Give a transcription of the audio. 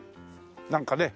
なんかね